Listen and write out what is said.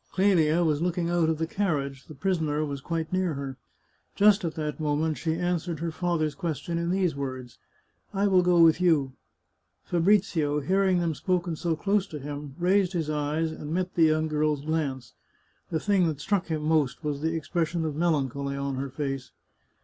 Clelia was looking out of the carriage; the prisoner was quite near her. Just at that moment she answered her father's question in these words :" I will go with you," Fabrizio, hearing them spoken so close to him, raised his eyes, and met the young girl's glance. The thing that struck him most was the expression of melancholy on her face.